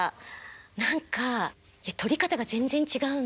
何かとり方が全然違うの。